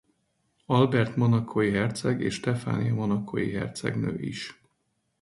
Albert monacói herceg és Stefánia monacói hercegnő is.